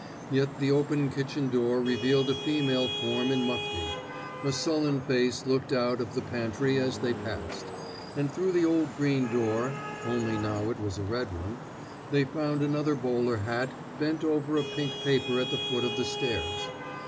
Yet the open kitchen door revealed a female form in mufti; a sullen face looked out of the pantry as they passed; and through the old green door (only now it was a red one) they found another bowler hat bent over a pink paper at the foot of the stairs.